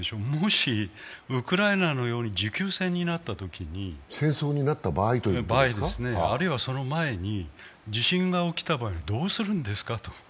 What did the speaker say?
もしウクライナのように戦争になった場合にその前に地震が起きた場合、どうするんですかと。